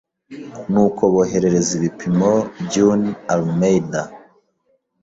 Nuko boherereza ibipimo June Almeida,